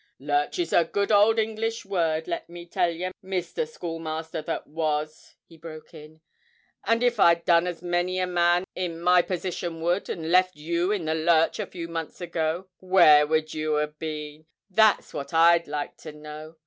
'Lurch is a good old English word, let me tell yer, Mr. Schoolmaster that was,' he broke in; 'and if I'd done as many a man in my position would, and left you in the lurch a few months ago, where would you ha' been? that's what I'd like to know!